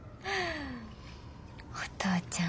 お父ちゃん